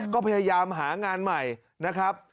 ก็พยายามหางานใหม่นะครับ